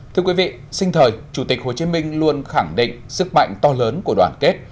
thưa quý vị sinh thời chủ tịch hồ chí minh luôn khẳng định sức mạnh to lớn của đoàn kết